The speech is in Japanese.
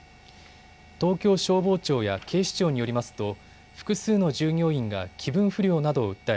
東京消防庁や警視庁によりますと複数の従業員が気分不良などを訴え